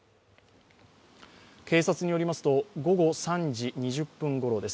警察によりますと午後３時２０分ごろです。